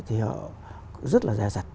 thì họ rất là dài dặt